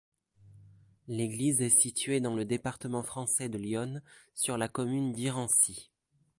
L'église est située dans le département français de l'Yonne, sur la commune d'Irancy.